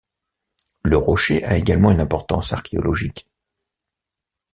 Le rocher a également une importance archéologique.